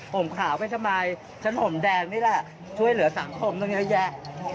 ผมขาวไปทำไมฉันห่มแดงนี่แหละช่วยเหลือสังคมตั้งเยอะแยะ